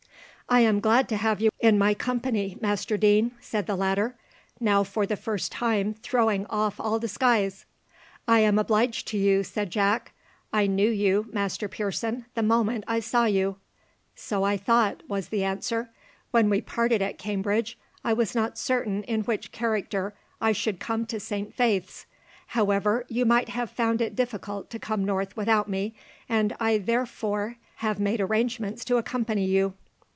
"I am glad to have you in my company, Master Deane," said the latter, now for the first time throwing off all disguise. "I am obliged to you," said Jack. "I knew you, Master Pearson, the moment I saw you." "So I thought," was the answer. "When we parted at Cambridge, I was not certain in which character I should come to Saint Faith's. However, you might have found it difficult to come north without me, and I therefore have made arrangements to accompany you."